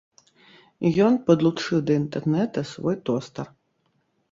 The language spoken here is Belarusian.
Ён падлучыў да інтэрнэта свой тостар.